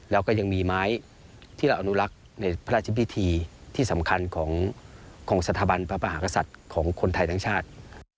แล้วก็ยังมีไม้ที่เราอนุรักษ์ในพระราชพิธีที่สำคัญของสถาบันพระมหากษัตริย์ของคนไทยทั้งชาติ